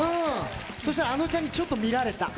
そしたら、あのちゃんにちょっと見られた。